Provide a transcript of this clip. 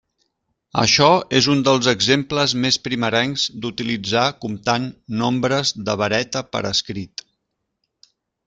Això és un dels exemples més primerencs d'utilitzar comptant nombres de vareta per escrit.